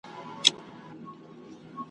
خدایه عمر مي تر جار کړې زه د ده په نوم ښاغلی `